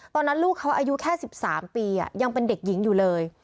ตอนนั้นลูกเขาอายุแค่๑๓ปียังเป็นเด็กหญิงอยู่เลย